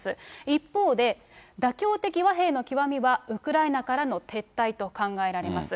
一方で、妥協的和平の極みは、ウクライナからの撤退と考えられます。